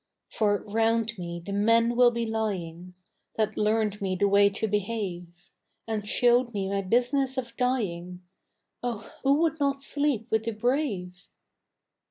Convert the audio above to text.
For round me the men will be lying That learned me the way to behave. And showed me my business of dying: Oh who would not sleep with the brave?